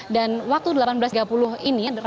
dan waktu delapan belas tiga puluh ini